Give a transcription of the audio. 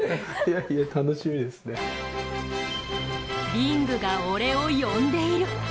リングが俺を呼んでいる。